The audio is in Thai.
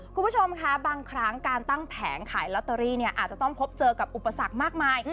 คุณผู้ชมคะบางครั้งการตั้งแผงขายลอตเตอรี่เนี่ยอาจจะต้องพบเจอกับอุปสรรคมากมาย